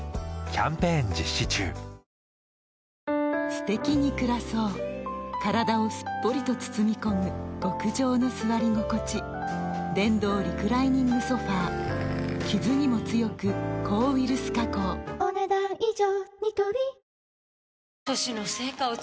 すてきに暮らそう体をすっぽりと包み込む極上の座り心地電動リクライニングソファ傷にも強く抗ウイルス加工お、ねだん以上。